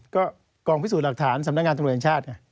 ก็กองพิสูจน์หลักฐานสำนักงานตำรวจแห่งชาติ